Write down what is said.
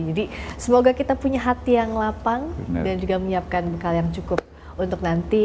jadi semoga kita punya hati yang lapang dan juga menyiapkan bekal yang cukup untuk nanti